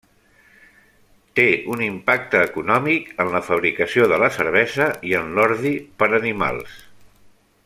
Té un impacte econòmic en la fabricació de la cervesa i en l'ordi per animals.